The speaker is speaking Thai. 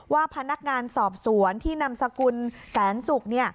ว่าพนักงานสอบสวนที่นำสกุลแสนสุก